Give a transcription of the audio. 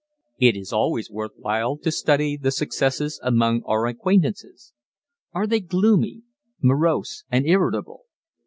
It is always worth while to study the successes among our acquaintances. Are they gloomy, morose and irritable?